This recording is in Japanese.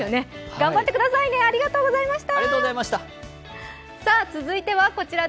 頑張ってくださいね、ありがとうございました。